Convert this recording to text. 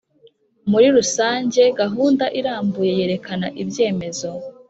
Muri rusange gahunda irambuye yerekana ibyemezo